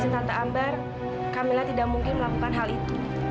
tanpa izin tante ambar kamila tidak mungkin melakukan hal itu